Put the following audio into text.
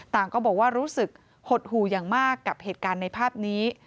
ต่างก็บอกว่ารู้สึกหดหู่อย่างมากกับเหตุการณ์ในภาพนี้